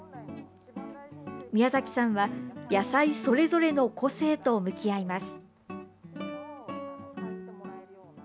宮崎さんは、野菜それぞれの個性と向き合います。